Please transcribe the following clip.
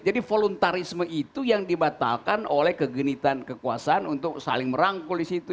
jadi voluntarisme itu yang dibatalkan oleh kegenitan kekuasaan untuk saling merangkul di situ